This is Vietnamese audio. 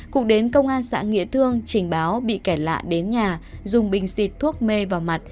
cục đến công an xã nghĩa thương trình báo bị kẻ lạ đến nhà dùng bình xịt thuốc mê vào mặt